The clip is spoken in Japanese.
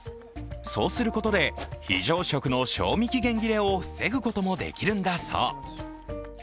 そうすることで非常食の賞味期限切れを防ぐこともできるんだそう。